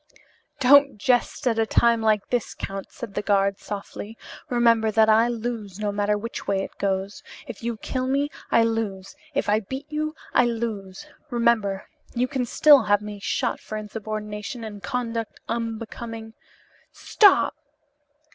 "Don't jest at a time like this, count," said the guard, softly. "Remember that I lose, no matter which way it goes. If you kill me I lose, if I beat you I lose. Remember, you can still have me shot for insubordination and conduct unbecoming " "Stop!"